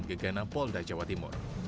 gagana polda jawa timur